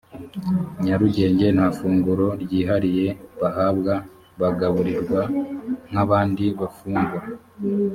nyarugenge nta funguro ryihariye bahabwa bagaburirwa nk abandi bafungwa